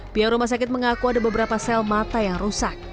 pihak rumah sakit mengaku ada beberapa sel mata yang rusak